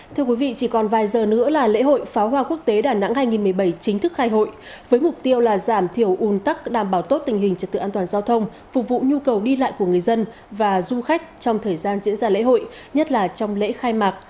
thưa quý vị chỉ còn vài giờ nữa là lễ hội pháo hoa quốc tế đà nẵng hai nghìn một mươi bảy chính thức khai hội với mục tiêu là giảm thiểu un tắc đảm bảo tốt tình hình trật tự an toàn giao thông phục vụ nhu cầu đi lại của người dân và du khách trong thời gian diễn ra lễ hội nhất là trong lễ khai mạc